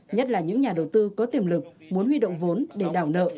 nhất là những nhà đầu tư có tiềm lực muốn huy động vốn để đảo nợ